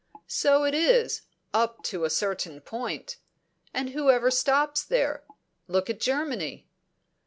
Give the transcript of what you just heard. So it is up to a certain point, and who ever stops there? Look at Germany."